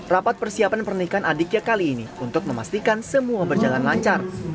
rapat persiapan pernikahan adiknya kali ini untuk memastikan semua berjalan lancar